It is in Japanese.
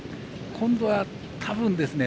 今度は、多分ですね